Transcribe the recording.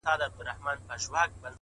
هر منزل له ثبات سره نږدې کېږي،